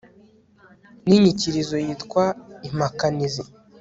n'inyikirizo yitwa impakanizi